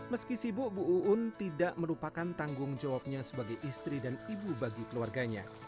meski sibuk bu uun tidak merupakan tanggung jawabnya sebagai istri dan ibu bagi keluarganya